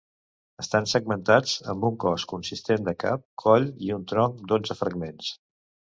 Estan segmentats amb un cos consistent de cap, coll i un tronc d'onze fragments.